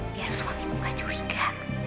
biar suamiku gak curiga